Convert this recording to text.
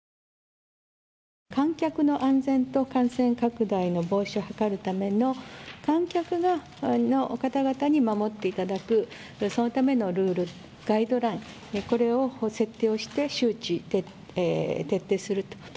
観客の安全と感染拡大の防止を図るため、観客の方々に守っていただく、そのためのルール、ガイドライン、これを設定をして周知徹底をすると。